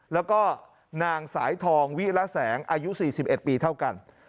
แล้วก็นางสายทองวิระแสงอายุ๔๑ปีเท่ากัน